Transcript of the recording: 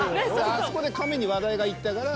あそこでカメに話題がいったから。